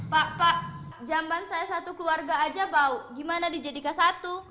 pak pak jamban saya satu keluarga aja bau gimana dijadikan satu